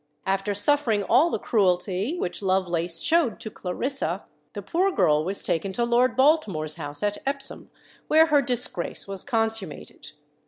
After suffering all the cruelty which Lovelace showed to Clarissa, the poor girl was taken to Lord Baltimore's house at Epsom, where her disgrace was consummated.